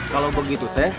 kalau begitu teh